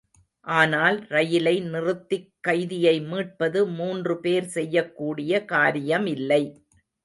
ஆனால் ரயிலை நிறுத்திக் கைதியை மீட்பது மூன்று பேர் செய்யக்கூடிய காரியமில்லை.